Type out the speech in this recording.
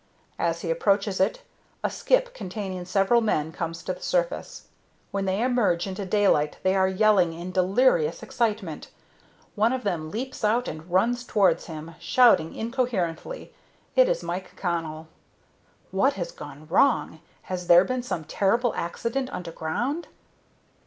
As he approaches it, a skip containing several men comes to the surface. When they emerge into daylight they are yelling in delirious excitement. One of them leaps out and runs towards him, shouting incoherently. It is Mike Connell. What had gone wrong? Has there been some terrible accident underground?